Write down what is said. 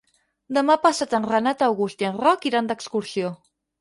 Demà passat en Renat August i en Roc iran d'excursió.